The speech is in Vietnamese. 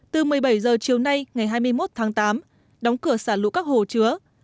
từ một mươi bảy h chiều nay ngày hai mươi một tháng tám đóng cửa xả lũ các hồ chứa